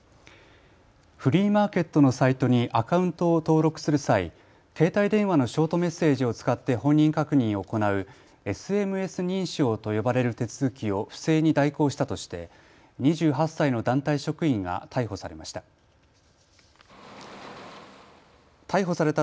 フリーマーケットのサイトにアカウントを登録する際、携帯電話のショートメッセージを使って本人確認を行うＳＭＳ認証と呼ばれる手続きを不正に代行したとして２８歳の団体職員が逮捕されました。